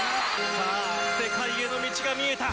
さあ、世界への道が見えた。